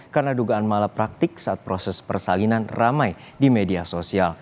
karena dugaan malapraktik saat proses persalinan ramai di media sosial